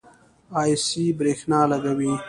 ایسی برښنا لګوي